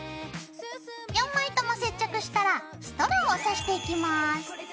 ４枚とも接着したらストローをさしていきます。